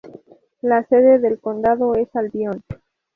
La sede del condado es Albion.